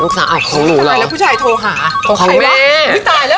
นกสาวของหนูหรอของแม่ตายแล้ว